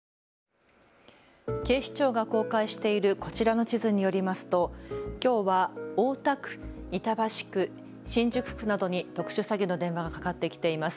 警視庁が公開しているこちらの地図によりますときょうは大田区、板橋区、新宿区などに特殊詐欺の電話がかかってきています。